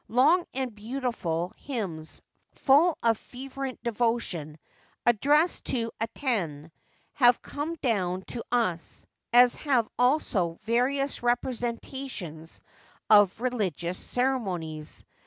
Long and beautiful hymns, full of fervent devotion, addressed to Aten, have come down to us, as have also various representations of religious ceremonies.